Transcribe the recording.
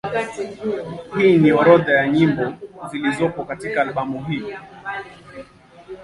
Hii ni orodha ya nyimbo zilizopo katika albamu hii.